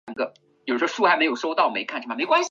同年任湖北孝感专署专员。